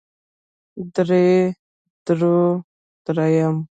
درې درو درېيم